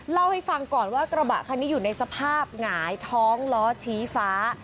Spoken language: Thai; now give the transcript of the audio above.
เล่าให้ฟังก่อนว่ากระบะคันนี้อยู่ในสภาพหงายท้องล้อชี้ฟ้า